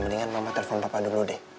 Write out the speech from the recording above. mama mau telepon papa dulu deh